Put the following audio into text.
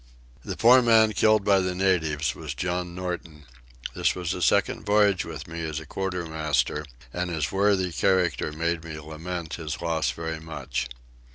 The poor man killed by the natives was John Norton: this was his second voyage with me as a quartermaster, and his worthy character made me lament his loss very much.